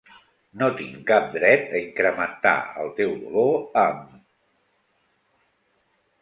No tinc cap dret a incrementar el teu dolor amb...